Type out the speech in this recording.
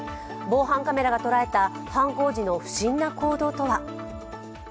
防犯カメラが捉えた犯行時の不審な行動とは。